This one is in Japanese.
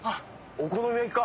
お好み焼きか？